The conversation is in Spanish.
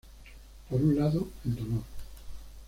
Por un lado, el dolor.